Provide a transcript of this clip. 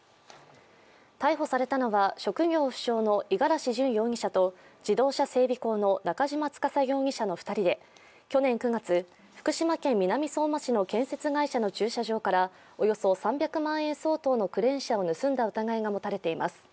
逮捕されたのは職業不詳の五十嵐純容疑者と自動車整備工の中島司容疑者の２人で去年９月、福島県南相馬市の建設会社の駐車場からおよそ３００万円相当のクレーン車を盗んだ疑いが持たれています。